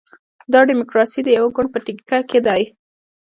دا ډیموکراسي د یوه ګوند په ټیکه کې ده.